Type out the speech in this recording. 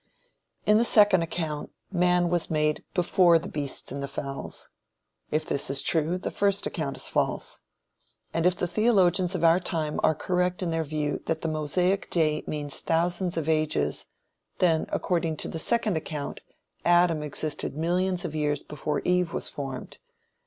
In the second account, man was made before the beasts and fowls. If this is true, the first account is false. And if the theologians of our time are correct in their view that the Mosaic day means thousands of ages, then, according to the second account, Adam existed millions of years before Eve was formed.